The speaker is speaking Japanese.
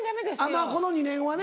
まぁこの２年はね。